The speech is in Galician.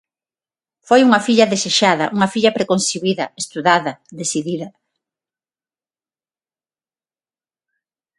Foi unha filla desexada, unha filla preconcibida, estudada, decidida.